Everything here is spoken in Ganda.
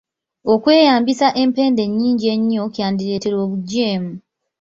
Okweyambisa empenda ennyingi ennyo kyandireetera obugyemu.